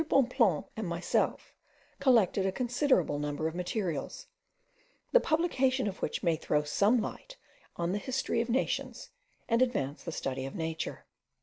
Bonpland and myself collected a considerable number of materials, the publication of which may throw some light on the history of nations, and advance the study of nature.